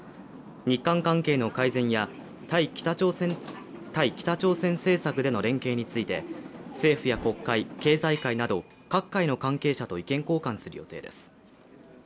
日韓関係の改善や、対北朝鮮政策での連携について政府や国会、経済界など各界の関係者と意見交換する予定です。